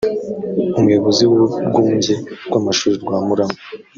Umuyobozi w’Urwunge rw’Amashuri rwa Murama